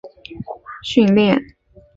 这批战机被用于飞行员训练之用。